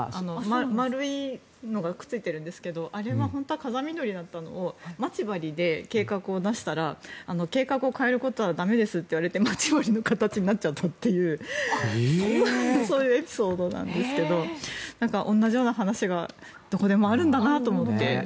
丸いのがくっついているんですけど待ち針で計画を出したら計画を変えることはだめですと言われて待ち針の形になっちゃったというそういうエピソードなんですけど同じような話がどこでもあるんだなと思って。